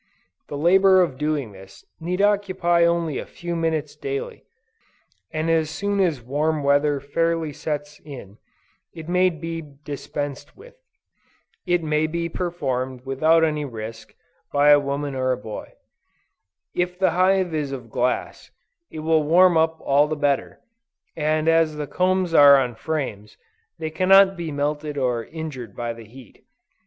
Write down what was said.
The labor of doing this, need occupy only a few minutes daily, and as soon as warm weather fairly sets in, it may be dispensed with. It may be performed without any risk, by a woman or a boy. If the hive is of glass, it will warm up all the better, and as the combs are on frames, they cannot be melted or injured by the heat.